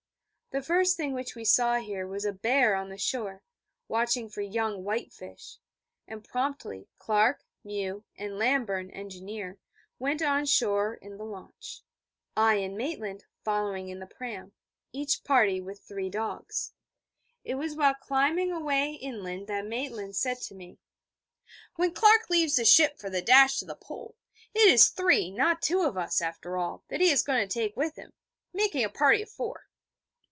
The first thing which we saw here was a bear on the shore, watching for young white fish: and promptly Clark, Mew, and Lamburn (engineer) went on shore in the launch, I and Maitland following in the pram, each party with three dogs. It was while climbing away inland that Maitland said to me: 'When Clark leaves the ship for the dash to the Pole, it is three, not two, of us, after all, that he is going to take with him, making a party of four.'